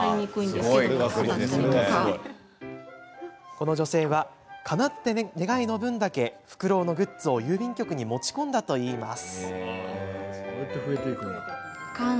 この女性はかなった願いの分だけふくろうのグッズを郵便局に持ち込んだといいます。